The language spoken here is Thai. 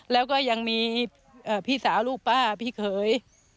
แล้วก็ยังมีพี่สาวลูกป้าพี่เขย